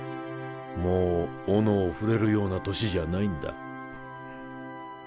もう斧を振れるような年じゃないんだ。